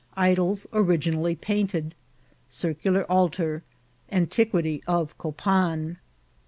Idols originally painted.^ Circii]ar Altar.— Antiquity of Coptn.